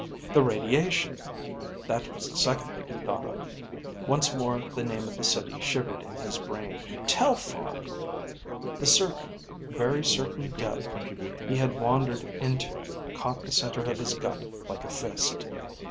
The radiation! That was the second thing he thought of. Once more the name of the city shivered in his brain: Telphar! The certain, very certain death he had wandered into caught the center of his gut like a fist.